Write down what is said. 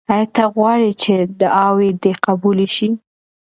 آیا ته غواړې چې دعاوې دې قبولې شي؟